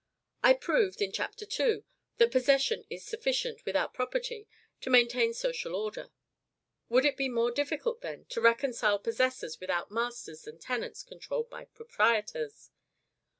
I proved, in Chapter II., that possession is sufficient, without property, to maintain social order. Would it be more difficult, then, to reconcile possessors without masters than tenants controlled by proprietors?